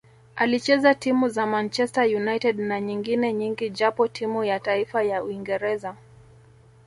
Alicheza timu za Manchester United na nyengine nyingi japo timu ya taifa ya Uingereza